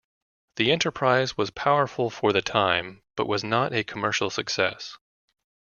The Enterprise was powerful for the time, but was not a commercial success.